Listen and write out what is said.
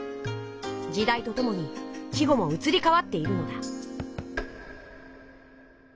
時代とともに季語もうつりかわっているのだ。